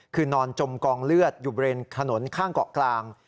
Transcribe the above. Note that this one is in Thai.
คือนอนจมกองเลือดอยู่บริเวณถนนข้างเกาะกลาง